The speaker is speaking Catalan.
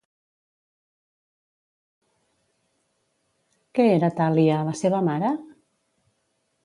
Què era Talia, la seva mare?